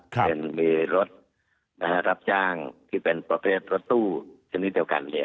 เช่นมีรถรับจ้างที่เป็นประเภทรถตู้ชนิดเดียวกัน